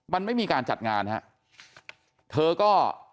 มันไม่มีการจัดงานฮะเธอก็